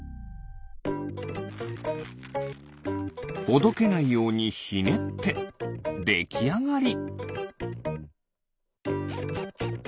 ほどけないようにひねってできあがり。